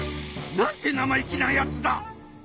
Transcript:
なんて生意気なやつだ！